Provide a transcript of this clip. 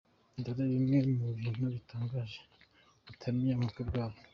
Dore bimwe mu bintu bitangaje utamenye ku bukwe bwabo.